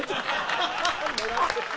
ハハハハ！